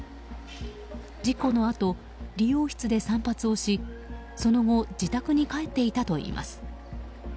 事故のあと理容室で散髪をしその後自宅に帰っていたといいます。